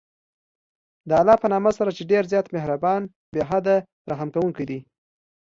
د الله په نامه سره چې ډېر زیات مهربان، بې حده رحم كوونكى دی.